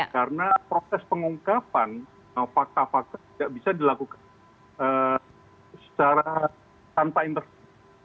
karena proses pengungkapan fakta fakta tidak bisa dilakukan secara tanpa intervensi